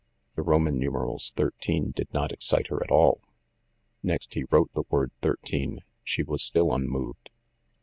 The Roman numerals XIII did not excite her at all. Next, he wrote the word "thirteen" ; she was still unmoved.